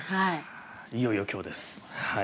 いよいよ今日です。